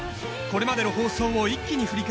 これまでの放送を一気に振り返る